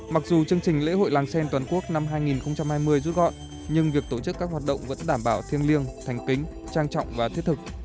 mặc dù chương trình lễ hội làng sen toàn quốc năm hai nghìn hai mươi rút gọn nhưng việc tổ chức các hoạt động vẫn đảm bảo thiêng liêng thành kính trang trọng và thiết thực